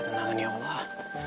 ketenangan ya allah